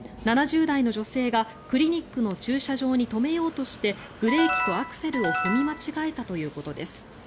７０代の女性がクリニックの駐車場に止めようとしてブレーキとアクセルを踏み間違えたということです。